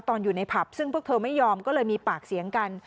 ตอนอยู่ในผับซึ่งพวกเธอไม่ยอมก็เลยมีปากเสียงกัน